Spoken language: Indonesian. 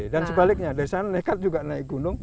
sebaliknya dari sana nekat juga naik gunung